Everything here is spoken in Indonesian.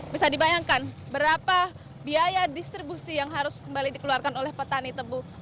bisa dibayangkan berapa biaya distribusi yang harus kembali dikeluarkan oleh petani tebu